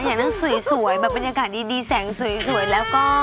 อย่างนั้นสวยแบบบรรยากาศดีแสงสวยแล้วก็